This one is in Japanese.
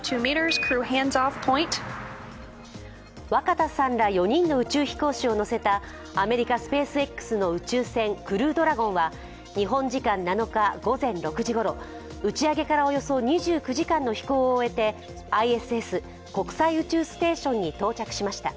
若田さんら４人の宇宙飛行士を乗せたアメリカスペースＸの宇宙船クルードラゴンは日本時間７日午前６時ごろ打ち上げからおよそ２９時間の飛行を終えてＩＳＳ＝国際宇宙ステーションに到着しました。